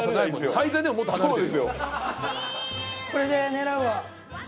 最前でももっと離れてる。